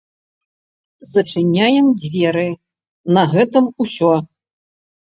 Зачыняем дзверы, на гэтым усё.